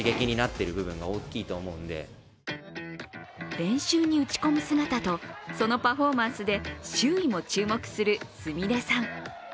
練習に打ち込む姿とそのパフォーマンスで周囲も注目する菫さん。